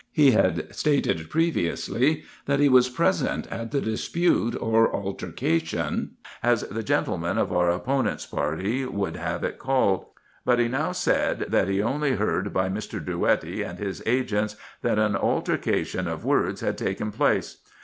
He had stated previously, that he was present at the dispute or altercation, as the gentlemen of our opponents' party would have it called ; but he now said, that he only heard by Mr. Drouetti and his agents that an altercation of words had taken place.